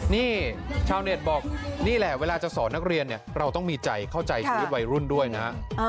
นี่ชาวเน็ตบอกนี่แหละเวลาจะสอนนักเรียนเนี่ยเราต้องมีใจเข้าใจชีวิตวัยรุ่นด้วยนะฮะ